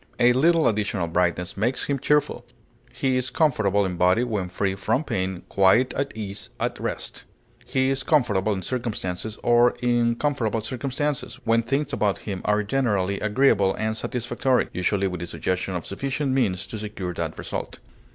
A little additional brightness makes him cheerful. He is comfortable in body when free from pain, quiet, at ease, at rest. He is comfortable in circumstances, or in comfortable circumstances, when things about him are generally agreeable and satisfactory, usually with the suggestion of sufficient means to secure that result.